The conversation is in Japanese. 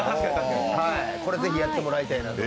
これをぜひやってもらいたいなと。